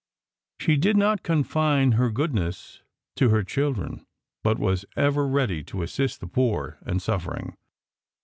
She did not confine her goodness to her children, but was ever ready to assist the poor and suffering.